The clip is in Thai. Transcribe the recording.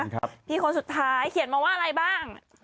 พี่คนสุดท้ายเขียนมาว่าอะไรบ้าง